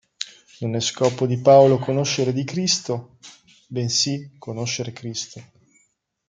Non è scopo di Paolo "conoscere di Cristo" bensì conoscere Cristo.